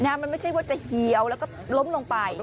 มันไม่ใช่ว่าจะเหี่ยวแล้วก็ล้มลงไป